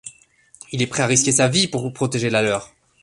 Il est prêt à risquer sa vie pour protéger la leur.